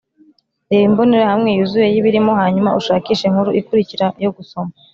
reba imbonerahamwe yuzuye yibirimo hanyuma ushakishe inkuru ikurikira yo gusoma.